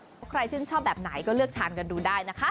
เพราะใครชื่นชอบแบบไหนก็เลือกทานกันดูได้นะคะ